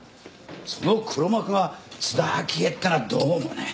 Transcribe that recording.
その黒幕が津田明江ってのはどうもね。